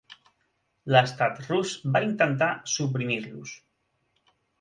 L'Estat rus va intentar suprimir-los.